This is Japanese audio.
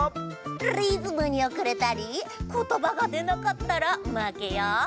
リズムにおくれたりことばがでなかったらまけよ。